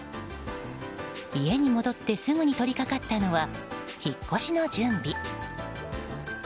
家に戻ってすぐに取りかかったのは引っ越しの準備。